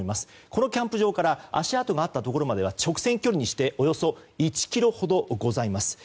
このキャンプ場から足跡があったところまでは直線距離にしておよそ１ｋｍほどございます。